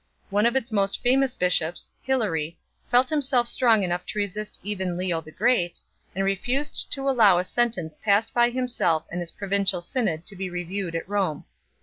One of its most famous bishops, Hilary, felt himself strong enough to resist even Leo the Great, and refused to allow a sentence passed by himself and his provincial synod to be reviewed at Rome 1